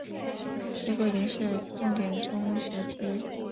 是桂林市重点中学之一。